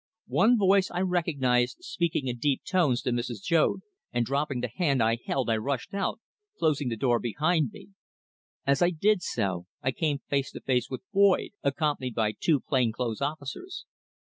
One voice I recognised speaking in deep tones to Mrs. Joad, and dropping the hand I held I rushed out, closing the door behind me. As I did so, I came face to face with Boyd, accompanied by two plain clothes officers.